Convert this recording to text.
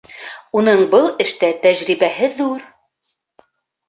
Уның был эштә тәжрибәһе ҙур